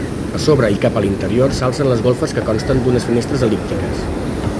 A sobre i cap a l'interior s'alcen les golfes que consten d'unes finestres el·líptiques.